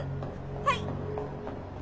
はい！